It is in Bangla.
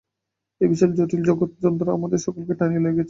এই বিশাল ও জটিল জগৎ-যন্ত্র আমাদের সকলকেই টানিয়া লইয়া যাইতেছে।